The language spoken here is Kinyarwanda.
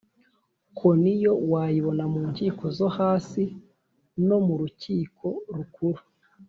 koniyo wayibona mu nkiko zohasi, nomu Rukiko Rukuru